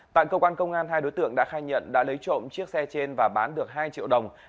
tại cơ quan công an hai đối tượng đã khai nhận đã lấy trộm chiếc xe trên và bán được hai triệu đồng